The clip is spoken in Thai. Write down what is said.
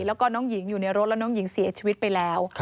แล้วก็น้องหญิงอยู่ในรถแล้วน้องหญิงเสียชีวิตไปแล้ว